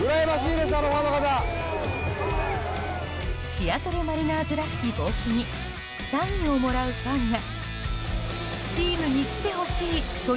シアトル・マリナーズらしき帽子にサインをもらうファンが。